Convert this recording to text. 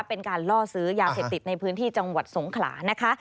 เป็นการล่อซื้อยาเสพติดในพื้นที่จังหวัดสงขลานะคะ